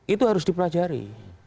itu harus dipelajari